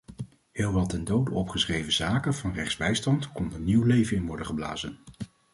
Heel wat ten dode opgeschreven zaken van rechtsbijstand konden nieuw leven in worden geblazen.